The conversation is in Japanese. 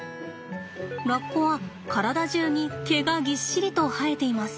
ラッコは体中に毛がぎっしりと生えています。